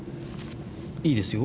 いいですよ。